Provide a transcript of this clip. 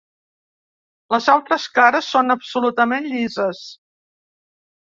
Les altres cares són absolutament llises.